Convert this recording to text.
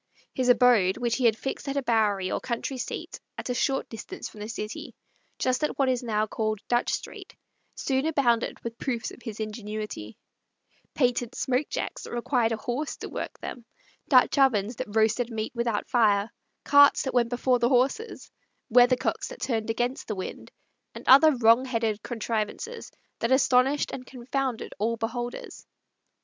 His abode, which he had fixed at a Bowerie or country seat at a short distance from the city, just at what is now called Dutch Street, soon abounded with proofs of his ingenuity: patent smoke jacks that required a horse to work them; Dutch ovens that roasted meat without fire; carts that went before the horses; weathercocks that turned against the wind; and other wrong headed contrivances that astonished and confounded all beholders.